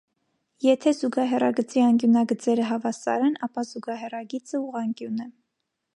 Եթե զուգահեռագծի անկյունագծերը հավասար են, ապա զուգահեռագիծը ուղղանկյուն է։